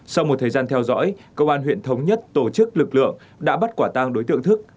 sau một thời gian theo dõi công an huyện thống nhất tổ chức lực lượng đã bắt quả tang đối tượng thức